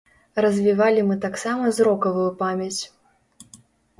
Развівалі мы таксама зрокавую памяць.